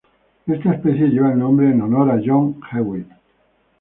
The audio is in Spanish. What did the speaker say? Esta especie lleva el nombre en honor a John Hewitt.